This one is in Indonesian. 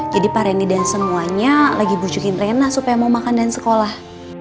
jadi pak reni dan semuanya lagi bujukin rena supaya mau makan dan sekolah